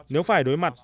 nếu phải đối mặt